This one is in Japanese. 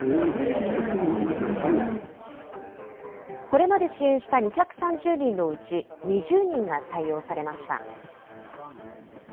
これまで支援した２３０人のうち、２０人が採用されました。